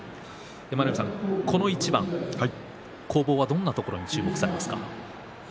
この一番、攻防はどんなところに注目されますか？